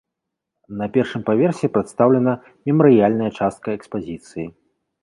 На першым паверсе прадстаўлена мемарыяльная частка экспазіцыі.